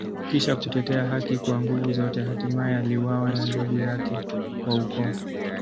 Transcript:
Kisha kutetea haki kwa nguvu zote, hatimaye aliuawa na ndugu yake wa ukoo.